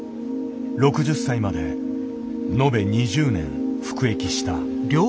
６０歳まで延べ２０年服役した。